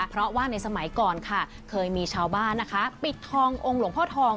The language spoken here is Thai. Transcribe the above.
เพราะว่าในสมัยก่อนค่ะเคยมีชาวบ้านนะคะปิดทององค์หลวงพ่อทอง